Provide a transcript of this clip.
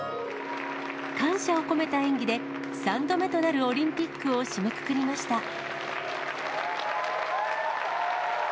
感謝を込めた演技で、３度目となるオリンピックを締めくくりました。